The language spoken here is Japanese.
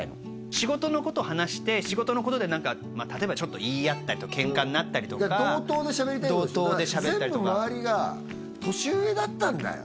仕事のこと話して仕事のことで何かたとえばちょっと言い合ったりケンカになったりとか同等でしゃべりたいよな同等でしゃべったりとか全部まわりが年上だったんだよ